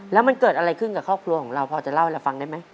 แล้วมันเกิดอะไรขึ้นกับครอบครัวของเราพอจะเล่าให้เราฟังได้ไหม